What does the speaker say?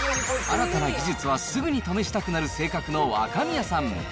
新たな技術はすぐに試したくなる性格の若宮さん。